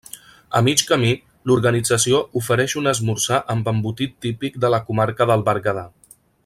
A mig camí l'organització ofereix un esmorzar amb embotit típic de la comarca del Berguedà.